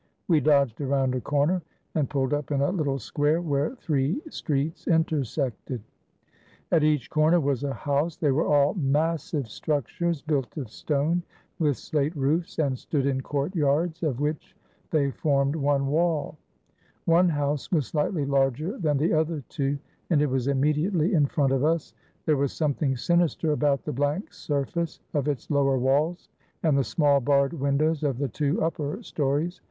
We dodged around a corner and pulled up in a little square where three streets intersected. At each corner was a house. They were all massive 426 AN ATTACK ON THE BASHI BAZOUKS structures, built of stone, with slate roofs, and stood in courtyards, of which they formed one wall. One house was slightly larger than the other two, and it was imme diately in front of us. There was something sinister about the blank surface of its lower walls, and the small barred windows of the two upper stories.